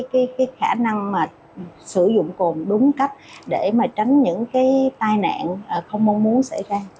cái khả năng mà sử dụng cồn đúng cách để mà tránh những cái tai nạn không mong muốn xảy ra